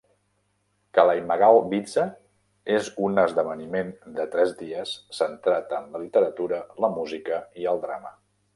Kalaimagal Vizha és un esdeveniment de tres dies centrat en la literatura, la música i el drama.